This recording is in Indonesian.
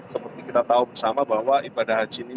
seperti kita tahu bersama bahwa ibadah haji ini